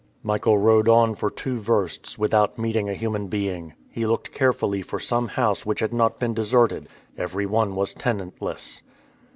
Michael rode on for two versts without meeting a human being. He looked carefully for some house which had not been deserted. Every one was tenantless.